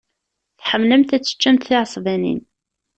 Tḥemmlemt ad teččemt tiɛesbanin.